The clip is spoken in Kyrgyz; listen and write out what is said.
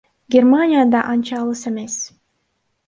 Германия да анча алыс эмес.